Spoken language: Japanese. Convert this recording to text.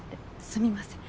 すみません。